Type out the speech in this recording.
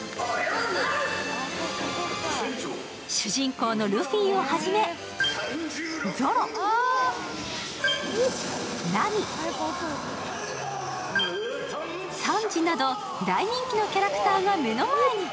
主人公のルフィをはじめ、ゾロ、ナミ、サンジなど、大人気のキャラクターが目の前に。